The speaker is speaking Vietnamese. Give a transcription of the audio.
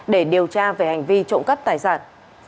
để điều tra về hành vi trộm cắp tài sản